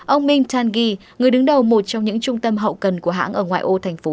ông ming tangyi người đứng đầu một trong những trung tâm hậu cần của hãng ở ngoài ô thành phố